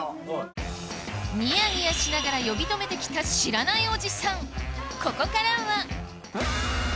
ニヤニヤしながら呼び止めてきた知らないおじさん